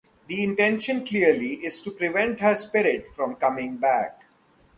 The intention clearly is to prevent her spirit from coming back.